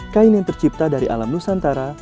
kain yang tercipta dari alam nusantara